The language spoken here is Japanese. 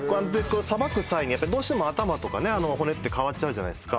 さばく際にやっぱどうしても頭とかね骨って変わっちゃうじゃないすか